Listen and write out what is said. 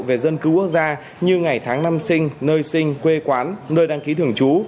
về dân cứu quốc gia như ngày tháng năm sinh nơi sinh quê quán nơi đăng ký thưởng chú